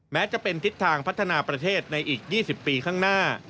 แม้จะเป็นทิศทางพัฒนาประเทศในอีก๒๐ปีข้างหน้า